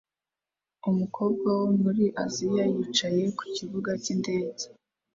Umukobwa wo muri Aziya yicaye ku kibuga cyindege